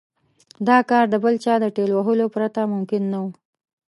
دا کار د بل چا د ټېل وهلو پرته ممکن نه و.